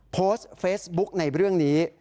โพสต์เฟซบุ๊กในเรื่องนี้